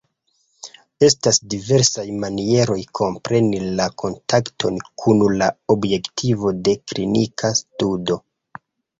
Estas diversaj manieroj kompreni la kontakton kun la objekto de klinika studo.